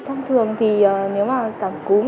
thông thường thì nếu mà cảm cúm